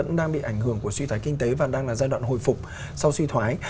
cũng đang bị ảnh hưởng của suy thoái kinh tế và đang là giai đoạn hồi phục sau suy thoái